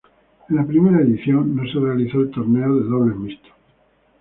En la primera edición no se realizó el torneo de dobles mixto.